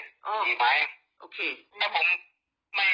ตรงนั้นน้องก็เสียไปแล้ว